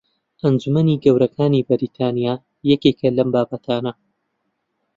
ئەنجومەنی گەورەکانی بەریتانیا یەکێکە لەم بابەتانە